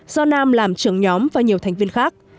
do nam làm trưởng nhóm và nhiều thành viên khác